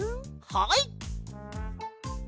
はい！